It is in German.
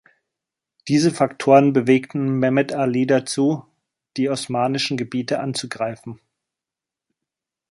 Diese Faktoren bewegten Mehmed Ali dazu, die osmanischen Gebiete anzugreifen.